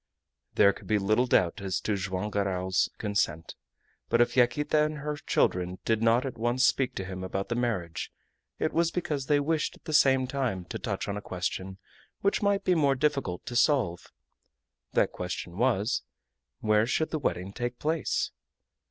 There could be little doubt as to Joam Garral's consent. But if Yaquita and her children did not at once speak to him about the marriage, it was because they wished at the same time to touch on a question which might be more difficult to solve. That question was, Where should the wedding take place?